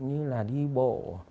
như là đi bộ